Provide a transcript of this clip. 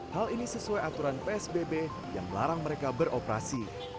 hal ini sesuai aturan psbb yang melarang mereka beroperasi